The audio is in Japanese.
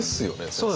先生。